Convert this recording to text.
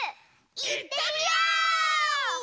いってみよう！